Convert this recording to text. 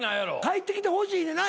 帰ってきてほしいねんな。